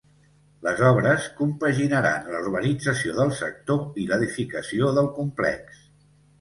Les obres compaginaran la urbanització del sector i l’edificació del complex.